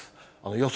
予想